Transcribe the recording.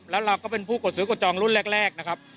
แล้วเราก็เป็นผู้กดซื้อกดจองรุ่นแรกนะครับ